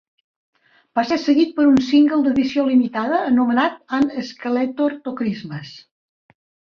Va ser seguit per un single d'edició limitada anomenat "An Escalator to Christmas".